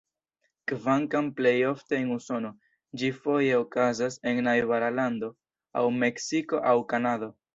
Kvankam plejofte en Usono, ĝi foje okazas en najbara lando, aŭ Meksiko aŭ Kanado.